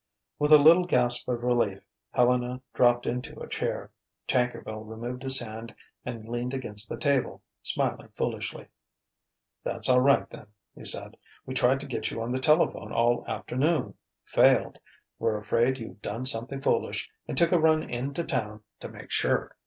With a little gasp of relief, Helena dropped into a chair. Tankerville removed his hand and leaned against the table, smiling foolishly. "That's all right, then," he said. "We tried to get you on the telephone all afternoon, failed, were afraid you'd done something foolish, and took a run in to town to make sure."